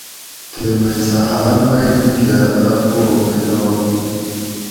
تے مئ سہ حال مئ کہ اۤ پو میلا ھو